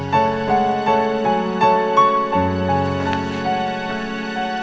sayang makasih ya udah bantuin ibu